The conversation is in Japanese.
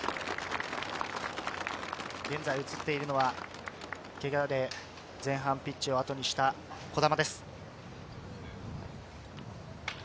現在、映っているのは、けがで前半ピッチをあとにした児玉です。